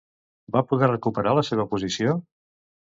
Va poder recuperar la seva posició?